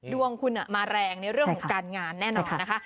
ดวงคุณมาแรงในเรื่องของการงานแน่นอนนะคะ